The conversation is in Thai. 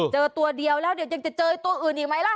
เจอตัวเดียวแล้วเดี๋ยวยังจะเจอตัวอื่นอีกไหมล่ะ